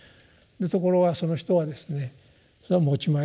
ところがその人はですね